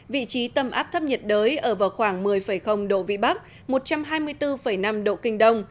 vị trí tâm áp thấp nhiệt đới ở vào khoảng một mươi độ vĩ bắc một trăm hai mươi bốn năm độ kinh đông